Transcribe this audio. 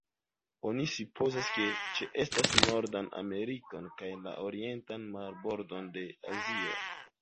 Oni supozas, ke ĉeestas Nordan Amerikon kaj la orientan marbordon de Azio.